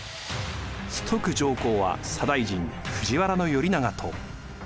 崇徳上皇は左大臣藤原頼長と。